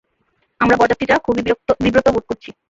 আমরা বরযাত্রীরা খুবই বিব্রত বোধ করছি।